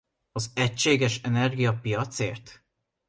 Az egységes energiapiacért?